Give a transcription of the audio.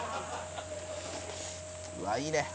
「うわあいいね。